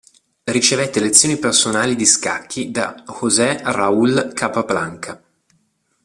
Ricevette lezioni personali di scacchi da José Raúl Capablanca.